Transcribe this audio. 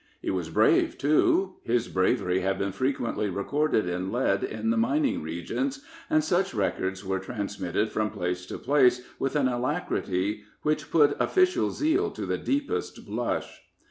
He was brave, too. His bravery had been frequently recorded in lead in the mining regions, and such records were transmitted from place to place with an alacrity which put official zeal to the deepest blush.